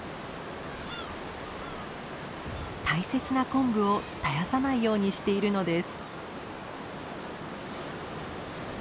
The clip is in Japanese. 大切なコンブを絶やさないようにしているのです。